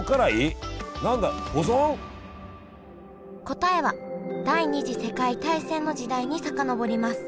答えは第二次世界大戦の時代に遡ります。